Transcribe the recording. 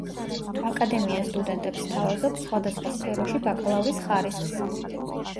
აკადემია სტუდენტებს სთავაზობს სხვადასხვა სფეროში ბაკალავრის ხარისხს.